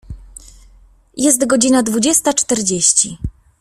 Jest godzina dwudziesta czterdzieści.